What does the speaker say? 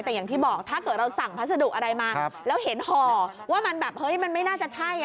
แต่อย่างที่บอกถ้าเกิดเราสั่งพัสดุอะไรมาแล้วเห็นห่อว่ามันแบบเฮ้ยมันไม่น่าจะใช่